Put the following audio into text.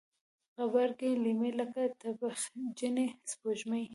غبرګي لیمې لکه تبجنې سپوږمۍ